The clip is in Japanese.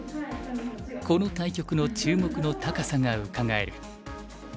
この対局の注目の高さがうかがえる。